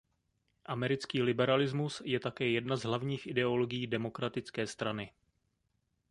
Americký liberalismus je také jedna z hlavních ideologií Demokratické strany.